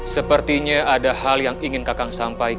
sepertinya ada hal yang ingin kakak sampaikan